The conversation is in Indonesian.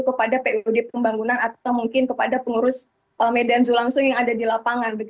kepada pud pembangunan atau mungkin kepada pengurus medan zoo langsung yang ada di lapangan